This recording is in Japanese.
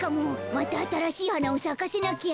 またあたらしいはなをさかせなきゃ。